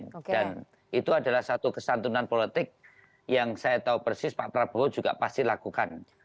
dan itu adalah satu kesantunan politik yang saya tahu persis pak prabowo juga pasti lakukan